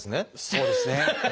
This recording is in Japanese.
そうですね。